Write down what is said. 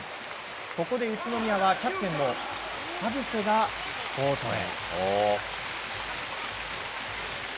ここで宇都宮はキャプテンの田臥がコートへ。